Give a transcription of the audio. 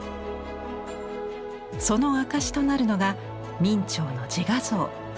その証しとなるのが明兆の自画像。